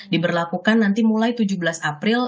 diberlakukan nanti mulai tujuh belas april